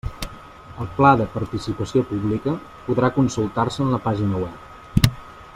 El pla de participació pública podrà consultar-se en la pàgina web.